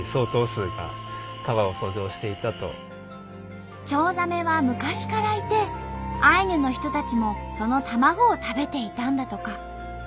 伝記でチョウザメは昔からいてアイヌの人たちもその卵を食べていたんだとか。